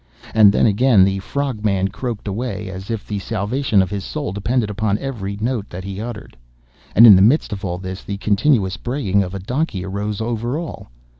And then, again, the frog man croaked away as if the salvation of his soul depended upon every note that he uttered. And, in the midst of all this, the continuous braying of a donkey arose over all.